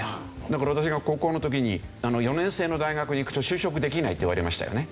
だから私が高校の時に４年制の大学に行くと就職できないって言われましたよね。